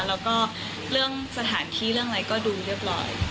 แล้วก็เรื่องสถานที่เรื่องอะไรก็ดูเรียบร้อย